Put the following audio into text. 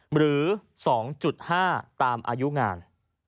หรือ๒๕ตามอายุงาน